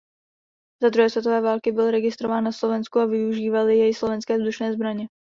Za druhé světové války byl registrován na Slovensku a využívaly jej Slovenské vzdušné zbraně.